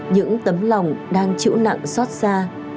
những tấm lòng đang chịu nặng xót xa